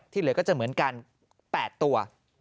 เหลือก็จะเหมือนกัน๘ตัว